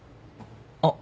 あっ。